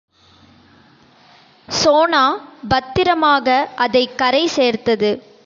சோனா பத்திரமாக அதைக் கரை சேர்த்தது.